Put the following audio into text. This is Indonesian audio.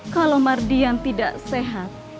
kalau mardian tidak sehat